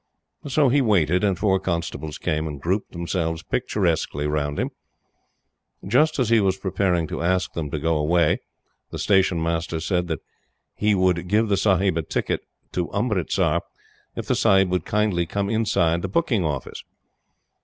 So he waited, and four constables came and grouped themselves picturesquely round him. Just as he was preparing to ask them to go away, the Station Master said that he would give the Sahib a ticket to Umritsar, if the Sahib would kindly come inside the booking office.